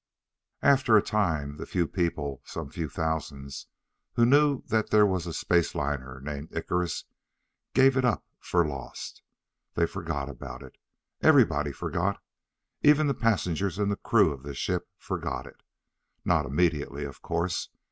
After a time the few people some few thousands who knew that there was a space liner named Icarus, gave it up for lost. They forgot about it. Everybody forgot. Even the passengers and crew of the ship forgot it. Not immediately, of course.